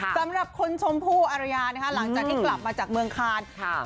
สำหรับคนชมผู้อรรยาหลังจากที่กลับมาจากเมืองคาร์น